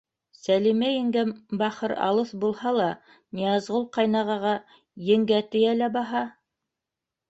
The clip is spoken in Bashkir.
Сәлимә еңгәм, бахыр, алыҫ булһа ла, Ныязғол ҡайнағаға еңгә тейә лә баһа.